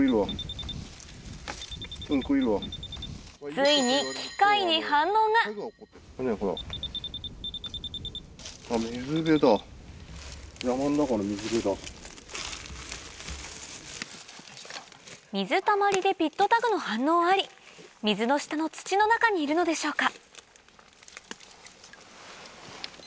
ついに水たまりでピットタグの反応あり水の下の土の中にいるのでしょうか？